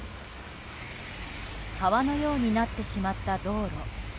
川のようになってしまった道路。